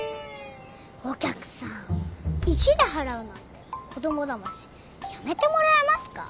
お客さん石で払うなんて子供だましやめてもらえますか？